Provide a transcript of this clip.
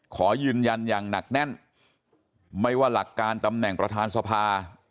ขอยืนยันอย่างหนักแน่นไม่ว่าหลักการตำแหน่งประธานสภา